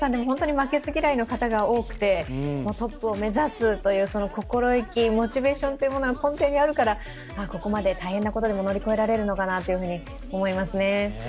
本当に負けず嫌いの方が多くてトップを目指すという心意気、モチベーションというものが根底にあるから、ここまで大変なことも乗り越えられるのかなと思いますね。